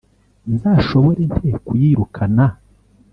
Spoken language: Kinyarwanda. nzashobora nte kuyirukana?’